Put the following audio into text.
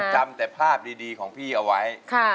จำแต่ภาพดีของพี่เอาไว้